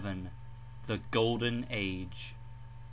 '^9 THE GOLDEN AGE.